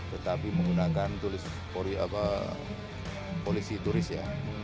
tetapi menggunakan tulis polisi turis ya